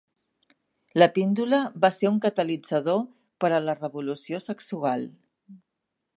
La píndola va ser un catalitzador per a la revolució sexual.